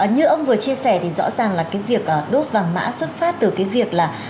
như ông vừa chia sẻ thì rõ ràng là cái việc đốt vàng mã xuất phát từ cái việc là